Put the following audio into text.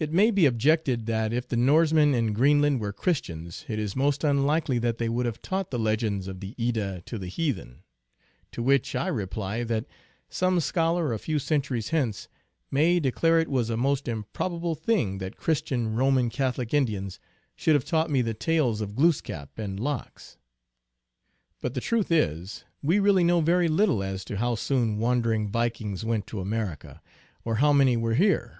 It may be objected that if the Norsemen in Green land were Christians it is most unlikely that they would have taught the legends of the Edda to the heathen ; to which I reply that some scholar a few centuries hence may declare it was a most improbable thing that Christian Roman Catholic Indians should have taught me the tales of Glooskap and Lox. But INTRODUCTION. 13 the truth is, we really know very little as to how soon wandering Vikings went to America, or how many were here.